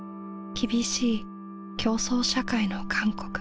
厳しい競争社会の韓国。